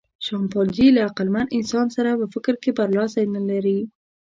شامپانزي له عقلمن انسان سره په فکر کې برلاسی نهلري.